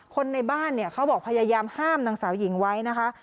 คนในบ้านเนี่ยเขาบอกพยายามห้ามนางสาวหญิงไว้นะคะ